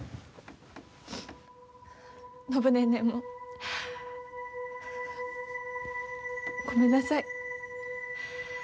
暢ネーネーもごめんなさい。